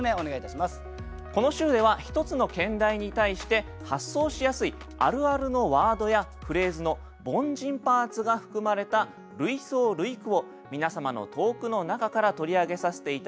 この週では一つの兼題に対して発想しやすいあるあるのワードやフレーズの「凡人パーツ」が含まれた類想類句を皆様の投句の中から取り上げさせて頂き